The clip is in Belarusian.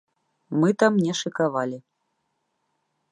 Мы там не шыкавалі.